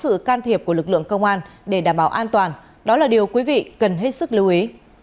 nếu có sự can thiệp của lực lượng công an để đảm bảo an toàn đó là điều quý vị cần hết sức lưu ý